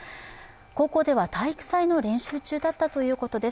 高校では体育祭の練習中だったということです。